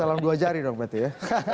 dalam dua jari dong berarti ya